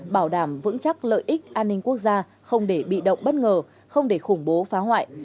bảo đảm vững chắc lợi ích an ninh quốc gia không để bị động bất ngờ không để khủng bố phá hoại